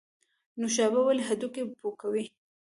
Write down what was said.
نوشابه ولې هډوکي پوکوي؟